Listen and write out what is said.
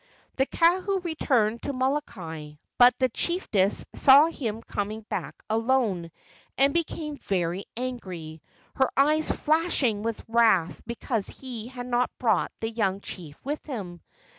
The kahu returned to Molokai, but the chiefess saw him coming back alone and became very angry, her eyes flashing with wrath because he had not brought the young chief with him.